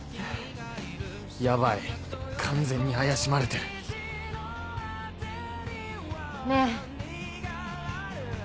ヤバい完全に怪しまれてるねぇ。